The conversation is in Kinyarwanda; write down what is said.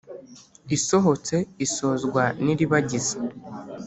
Isohotse isozwa n'"Iribagiza"